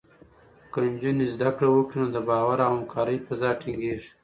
که نجونې زده کړه وکړي، نو د باور او همکارۍ فضا ټینګېږي.